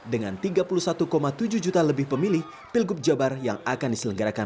dengan tiga puluh satu tujuh juta lebih pemilih pilgub jabar yang akan diselenggarakan